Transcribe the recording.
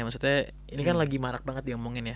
maksudnya ini kan lagi marak banget diomongin ya